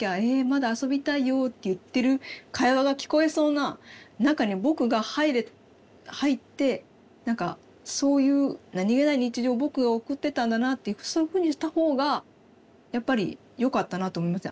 まだ遊びたいよって言ってる会話が聞こえそうな中に「ぼく」が入って何かそういう何気ない日常を「ぼく」が送ってたんだなっていうそういうふうにした方がやっぱりよかったなと思います。